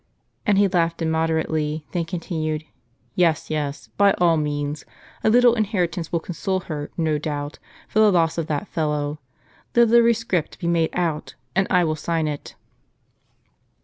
And he laughed immoderately, then continued: "Yes, yes, by all means; a little inheritance will console her, no doubt, for the loss of that fellow. Let a rescript be made out, and I will sign it."